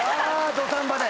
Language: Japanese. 土壇場で。